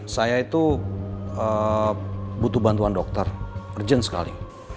saya itu butuh bantuan dokter urgent sekali